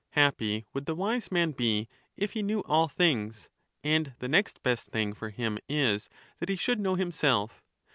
Happy would the wise man be if he knew all things, and the next best thing for him is that he should know himself.